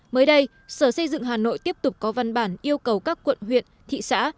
mới đây sở xây dựng hà nội tiếp tục có văn bản yêu cầu các quận huyện thị xã